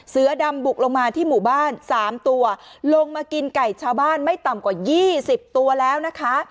เสือดำบุกลงมาที่หมู่บ้าน๓ตัวลงมากินไก่ชาวบ้านไม่ต่ำกว่า๒๐ตัวแล้วนะคะ